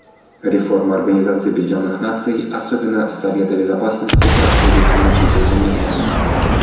Реформа Организации Объединенных Наций, особенно Совета Безопасности, проходит мучительно медленно.